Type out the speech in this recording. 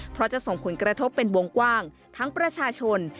เพราะจะส่งผลกระทบเป็นวงกว้างทั้งประชาชน